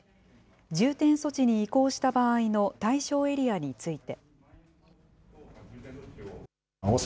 重点措置に移行した場合の対象エリアについて。